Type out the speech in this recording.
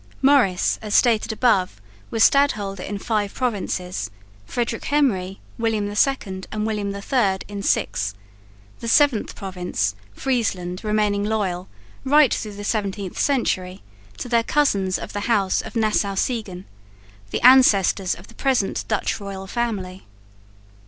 Maurice, as stated above, was stadholder in five provinces; Frederick Henry, William II and William III in six; the seventh province, Friesland, remaining loyal, right through the 17th century, to their cousins of the house of Nassau Siegen, the ancestors of the present Dutch royal family.